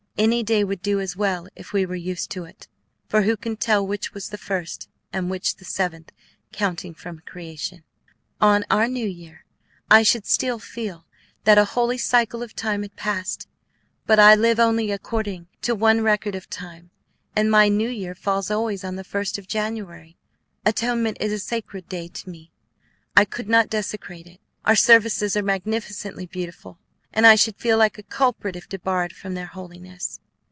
Any day would do as well if we were used to it, for who can tell which was the first and which the seventh counting from creation? On our New Year I should still feel that a holy cycle of time had passed; but I live only according to one record of time, and my New Year falls always on the 1st of January. Atonement is a sacred day to me; I could not desecrate it. Our services are magnificently beautiful, and I should feel like a culprit if debarred from their holiness.